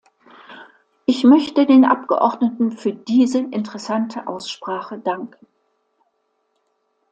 Ich möchte den Abgeordneten für diese interessante Aussprache danken.